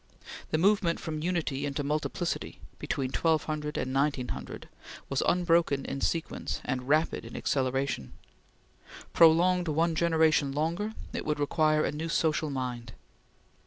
The movement from unity into multiplicity, between 1200 and 1900, was unbroken in sequence, and rapid in acceleration. Prolonged one generation longer, it would require a new social mind.